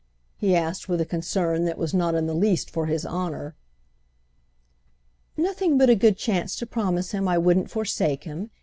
he asked with a concern that was not in the least for his honour. "Nothing but a good chance to promise him I wouldn't forsake him.